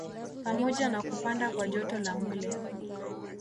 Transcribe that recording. Pamoja na kupanda kwa joto la mwili